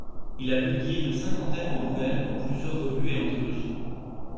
Il a publié une cinquantaine de nouvelles dans plusieurs revues et anthologies.